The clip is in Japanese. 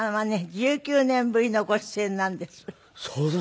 １９年ぶりのご出演なんです。